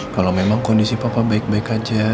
kalau memang kondisi papa baik baik aja